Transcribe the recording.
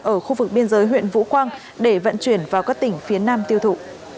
ở khu vực biên giới huyện vũ quang để vận chuyển vào các tỉnh phía nam tiêu thụ